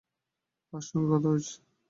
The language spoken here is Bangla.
কার সঙ্গে কথা কইছ?